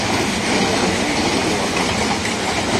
Wɔ́ɔ̌lɔ̀ wó jóŋɡwânà.